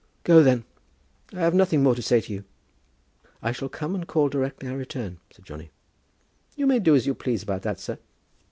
"Go then. I have nothing more to say to you." "I shall come and call directly I return," said Johnny. "You may do as you please about that, sir."